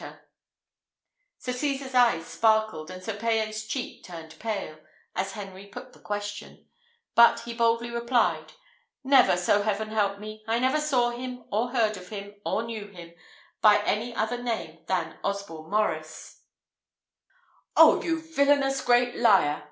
Sir Cesar's eyes sparkled, and Sir Payan's cheek turned pale, as Henry put the question; but he boldly replied, "Never, so help me heaven! I never saw him, or heard of him, or knew him, by any other name than Osborne Maurice." "Oh, you villanous great liar!